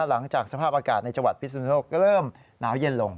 หลังจากสภาพอากาศในจังหวัดพิสุนโลกเริ่มหนาวเย็นลง